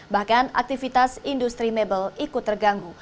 bahkan aktivitas industri mebel ikut terganggu